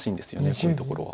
こういうところは。